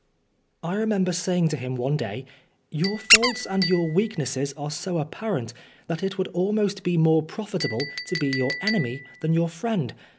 I remember saying to him one day, " Your faults and your weaknesses are so apparent, that it would almost be more pro fitable to be your enemy than your friend.